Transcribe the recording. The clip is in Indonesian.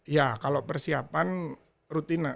ya kalau persiapan rutina